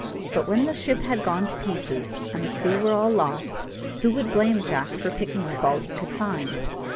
But when the ship had gone to pieces, and the crew were all lost, who would blame Jack for picking up all he could find?